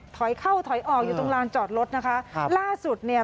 ถอยเข้าถอยออกอยู่ตรงลานจอดรถนะคะครับล่าสุดเนี่ย